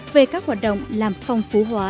về các hoạt động làm phong phú hóa